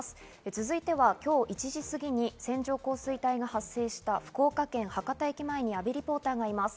続いては今日１時過ぎに線状降水帯が発生した福岡県博多駅前に阿部リポーターがいます。